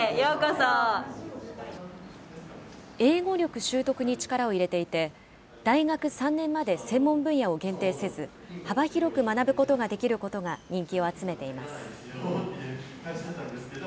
英語力習得に力を入れていて、大学３年まで専門分野を限定せず、幅広く学ぶことができることが人気を集めています。